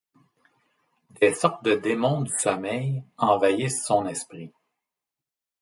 Des sortes de démons du sommeil envahissent son esprit.